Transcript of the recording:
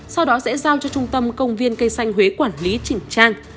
sau đó sẽ giao cho trung tâm công viên cây xanh huế quản lý chỉnh trang